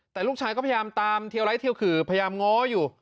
แต่ลูกชายก็พยายามตามเทียวไร้เทียวขื่อพยายามง้ออยู่